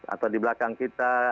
atau di belakang kita